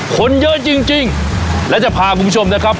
คนเยอะจริงและจะพาคุณผู้ชมนะครับ